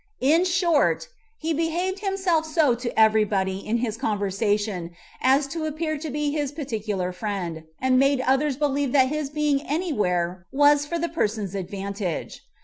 In short, he behaved himself so to every body in his conversation, as to appear to be his particular friend, and he made others believe that his being any where was for that person's advantage.